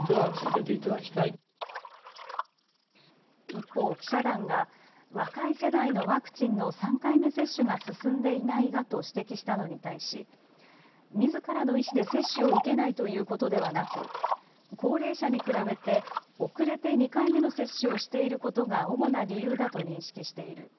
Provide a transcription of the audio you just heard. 一方、記者団が若い世代のワクチンの３回目接種が進んでいないがと指摘したのに対し、みずからの意思で接種を受けないということではなく高齢者に比べて遅れて２回目の接種をしていることが主な理由だと認識している。